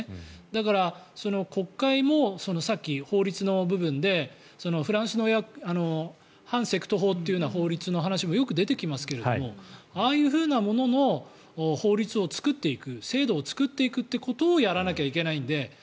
だから、国会もさっき法律の部分でフランスの反セクト法という法律の話もよく出てきますけれどもああいうものの法律を作っていく制度を作っていくということをやらなきゃいけないので。